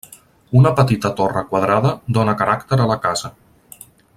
Una petita torre quadrada dóna caràcter a la casa.